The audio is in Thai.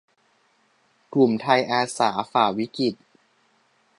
กลุ่มไทยอาสา ฝ่าวิกฤต